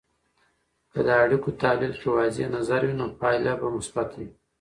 که د اړیکو تحلیل کې واضح نظر وي، نو پایله به مثبته وي.